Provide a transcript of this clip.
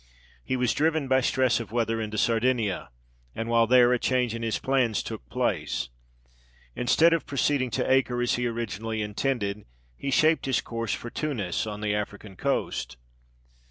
He was driven by stress of weather into Sardinia, and while there, a change in his plans took place. Instead of proceeding to Acre, as he originally intended, he shaped his course for Tunis, on the African coast.